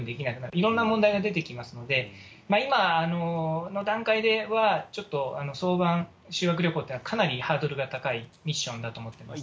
いろんな問題が出てきますので、今の段階では、ちょっと早晩、修学旅行というのはかなりハードルが高いミッションだと思ってます。